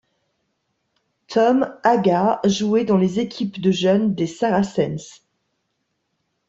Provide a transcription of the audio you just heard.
Tom Aggar jouait dans les équipes de jeunes des Saracens.